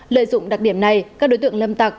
lợi dụng đặc điểm này các đối tượng lâm tặc